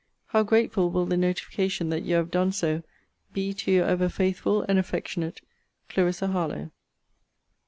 How grateful will the notification that you have done so be to Your ever faithful and affectionate CL. HARLOWE.